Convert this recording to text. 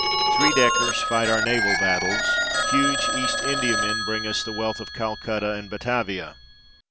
Three deckers fight our naval battles, huge East Indiamen bring us the wealth of Calcutta and Batavia.